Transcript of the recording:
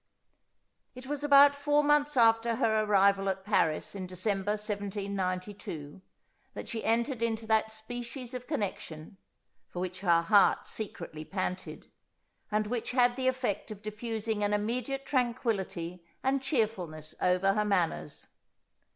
It was about four months after her arrival at Paris in December 1792, that she entered into that species of connection, for which her heart secretly panted, and which had the effect of diffusing an immediate tranquillity and cheerfulness over her manners.